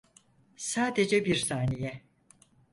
Sadece bir saniye.